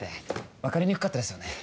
分かりにくかったですよね。